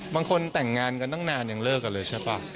บางคนแต่งงานกันตั้งนานยังเลิกกันเลยใช่ป่ะ